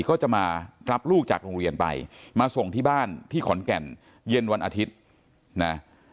ก็จะมารับลูกจากโรงเรียนไปมาส่งที่บ้านที่ขอนแก่นเย็นวันอาทิตย์นะ